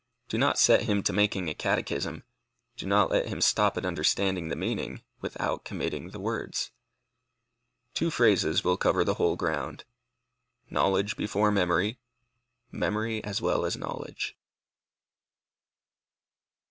Do not set him to making a catechism; do not let him stop at understanding the meaning, without committing the words. Two phrases will cover the whole ground. Knowledge before memory. Memory as well as knowledge.